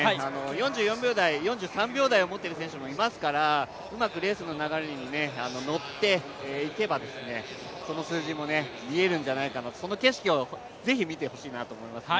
４４秒台、４３秒台を持っている選手もいますから、うまくレースの流れに乗っていけばその数字も見えるんじゃないのかなと、その景色を是非見てほしいと思います。